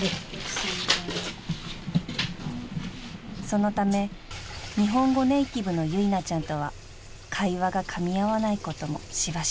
［そのため日本語ネーティブの由奈ちゃんとは会話がかみ合わないこともしばしば］